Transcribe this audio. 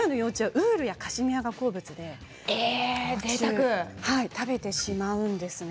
ウールやカシミヤが好物で食べてしまうんですね。